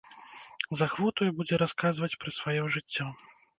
З ахвотаю будзе расказваць пра сваё жыццё.